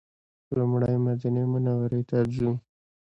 لومړی مدینې منورې ته ځو.